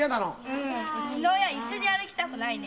「うん」「うちの親一緒に歩きたくないね」